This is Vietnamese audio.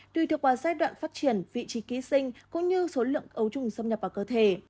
tùy thuộc vào giai đoạn phát triển vị trí ký sinh cũng như số lượng ấu trùng xâm nhập vào cơ thể